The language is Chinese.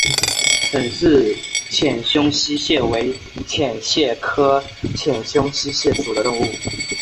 沈氏浅胸溪蟹为溪蟹科浅胸溪蟹属的动物。